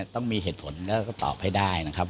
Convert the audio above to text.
ต้องมีเหตุผลแล้วก็ตอบให้ได้นะครับ